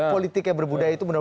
politik yang berbudaya itu